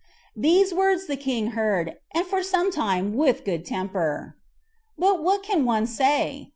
These words the king heard, and for some time with good temper. But what can one say?